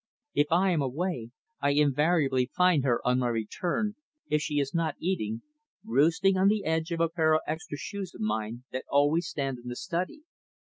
If I am away, I invariably find her on my return, if she is not eating, roosting on the edge of a pair of extra shoes of mine that always stand in the study.